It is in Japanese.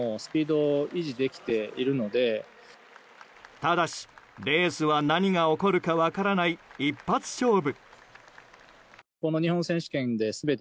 ただし、レースは何が起こるか分からない、一発勝負。